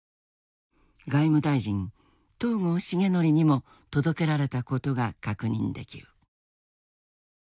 外務大臣東郷茂徳にも届けられたことが確認できる。